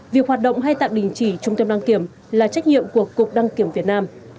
việc hoạt động hay tạm đình chỉ trung tâm đăng kiểm là trách nhiệm của cục đăng kiểm việt nam